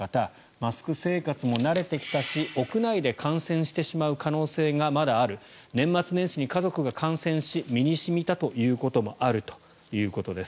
マスク生活も慣れてきたし屋内で感染してしまう可能性がまだある年末年始に家族が感染し身に染みたということもあるということです。